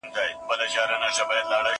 زه به اوږده موده سبا ته فکر کړی وم!.